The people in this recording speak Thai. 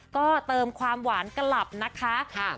ก็เติมความหวานกลับนะคะ